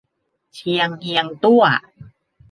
เชียงเฮียงตั้ว